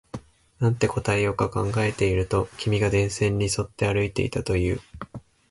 なんて答えようか考えていると、君が電線に沿って歩いていたと言う